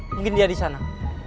mungkin dia disana